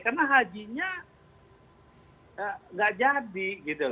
karena hajinya enggak jadi